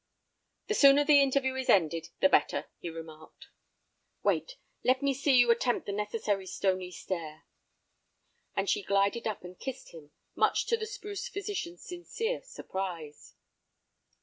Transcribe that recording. "The sooner the interview is ended—the better," he remarked. "Wait, let me see you attempt the necessary stony stare!" And she glided up and kissed him, much to the spruce physician's sincere surprise.